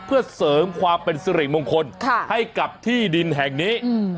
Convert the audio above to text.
เพื่อเสริมความเป็นสิริมงคลให้กับที่ดินแห่งนี้